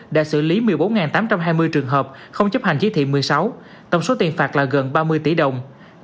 đã xử lý một mươi bốn tám trăm hai mươi trường hợp không chấp hành chỉ thị một mươi sáu tổng số tiền phạt là gần ba mươi tỷ đồng